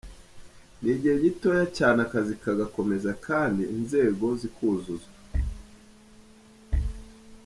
Ni igihe gitoya cyane akazi kagakomeza kandi inzego zikuzuzwa.